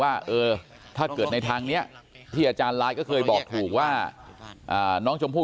ว่าถ้าเกิดในทางนี้ที่อาจารย์ไลน์ก็เคยบอกถูกว่าน้องชมพู่